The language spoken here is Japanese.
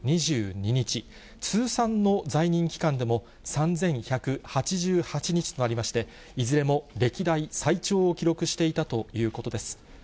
通算の在任期間でも３１８８日となりまして、いずれも歴代最長を記録していたということです。